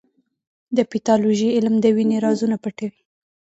د پیتالوژي علم د وینې رازونه پټوي.